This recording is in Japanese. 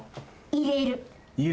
入れる！